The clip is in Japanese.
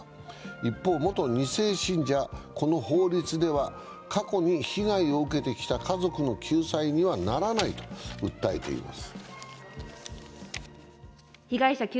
一方、元２世信者、この法律では過去に被害を受けてきた家族の救済にはならないと訴えています。